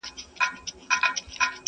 پر يارانو شنې پيالې ډكي له مُلو؛